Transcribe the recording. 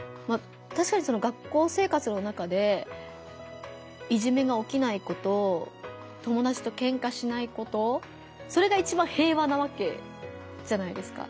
たしかに学校生活の中でいじめがおきないこと友だちとケンカしないことそれが一番平和なわけじゃないですか。